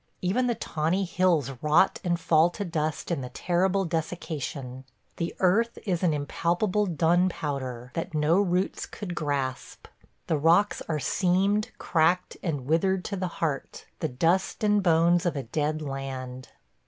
Even the tawny hills rot and fall to dust in the terrible desiccation. The earth is an impalpable dun powder that no roots could grasp; the rocks are seamed, cracked, and withered to the heart; – the dust and bones of a dead land.